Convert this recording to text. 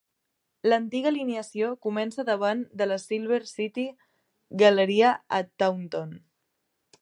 L'antiga alineació comença davant de la Silver City Galleria a Taunton.